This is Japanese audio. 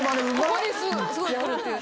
ここですごいくるっていう。